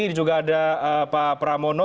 ini juga ada pak pramono